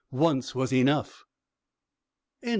Once was enough." THE END.